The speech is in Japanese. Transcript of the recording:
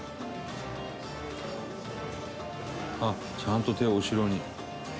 「あっちゃんと手を後ろに」